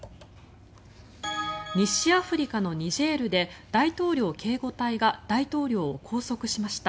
西アフリカのニジェールで大統領警護隊が大統領を拘束しました。